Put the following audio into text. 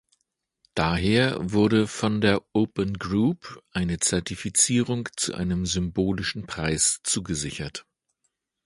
Daher wurde von der Open Group eine Zertifizierung zu einem symbolischen Preis zugesichert.